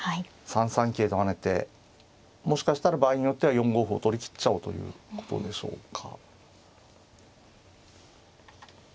３三桂と跳ねてもしかしたら場合によっては４五歩を取りきっちゃおうということでしょうか。